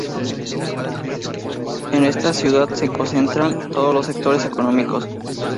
En esta ciudad se concentran todos los sectores económicos.